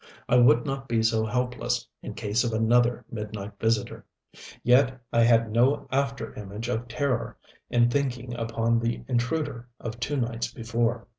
I would not be so helpless in case of another midnight visitor. Yet I had no after image of terror in thinking upon the intruder of two nights before.